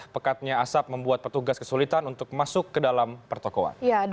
pekatnya asap membuat petugas kesulitan untuk masuk ke dalam pertokohan